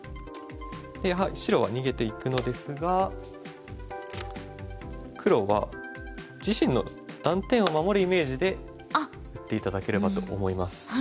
白は逃げていくのですが黒は自身の断点を守るイメージで打って頂ければと思います。